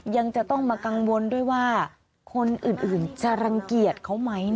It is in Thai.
ยังจะต้องมากังวลด้วยว่าคนอื่นจะรังเกียจเขาไหม